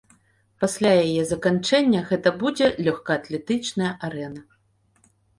Пасля яе заканчэння гэта будзе лёгкаатлетычная арэна.